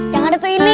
yang ada itu ini